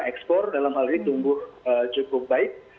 ekspor dalam hal ini tumbuh cukup baik